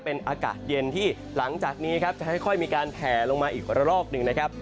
เป็นอากาศเย็นที่หลังจากนี้ครับจะค่อยมีการแผลลงมาอีกระลอกหนึ่งนะครับ